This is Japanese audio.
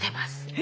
え！